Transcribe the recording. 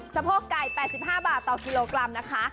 สะโพกไก่๘๕บาทต่อกิโลกรัมนะคะ